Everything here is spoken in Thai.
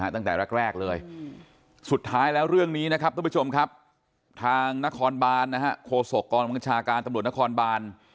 ตั้งแต่แรกเลยสุดท้ายแล้วเรื่องนี้นะครับทุกผู้ชมครับทางนครบานโคศกรบัญชาการตำรวจนครบาน